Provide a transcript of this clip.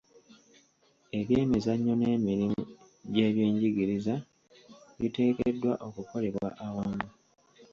Eby'emizannyo n'emirimu gy'ebyenjigiriza biteekeddwa okukolebwa awamu.